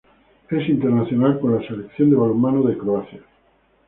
Es internacional con la selección de balonmano de Croacia.